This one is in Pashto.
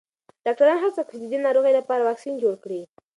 ډاکټران هڅه کوي چې د دې ناروغۍ لپاره واکسین جوړ کړي.